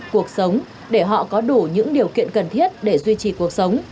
cuộc sống để họ có đủ những điều kiện cần thiết để duy trì cuộc sống